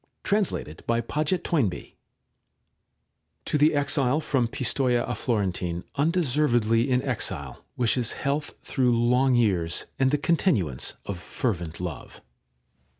187. EPISTOLA III (IV) 27 Translation To the Exile from Pistoja a Florentine undeservedly in exile wishes health through long years and thc continuance of fervent love.